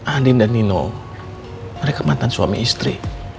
andin dan nino mereka mantan suami istri